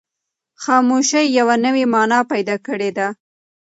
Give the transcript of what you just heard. خاموشي یوه نوې مانا پیدا کړې ده.